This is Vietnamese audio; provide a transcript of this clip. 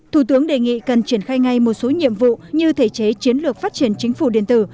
thủ tướng đề nghị cần triển khai ngay một số nhiệm vụ như thể chế chiến lược phát triển chính phủ điện tử